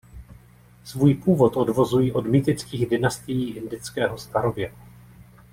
Svůj původ odvozují od mýtických dynastií indického starověku.